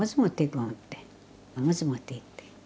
餅持っていって。